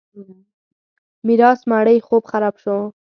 میرات مړی خوب خراب شو.